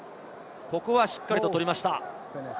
ここはしっかりと取りました。